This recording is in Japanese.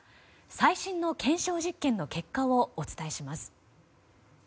最新の検証実験の結果をお伝えします。